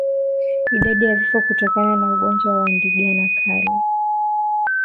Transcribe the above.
Idadi ya vifo kutokana na ugonjwa wa ndigana kali